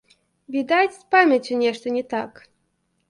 Відаць, з памяццю нешта не так.